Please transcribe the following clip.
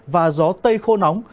và gió tây khô nóng